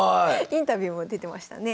インタビューも出てましたね。